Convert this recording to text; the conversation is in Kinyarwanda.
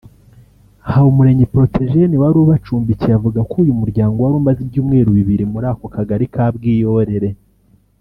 Habumuremyi Protegene wari ubacumbikiye avuga ko uyu muryango wari umaze ibyumweru bibiri muri ako Kagari ka Bwiyorere